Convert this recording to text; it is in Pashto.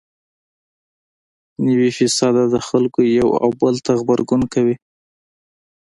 نوي فیصده خلکو یو او بل ته خبرې کولې.